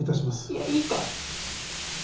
いやいいから。